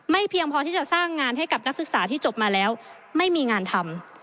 เพียงพอที่จะสร้างงานให้กับนักศึกษาที่จบมาแล้วไม่มีงานทำ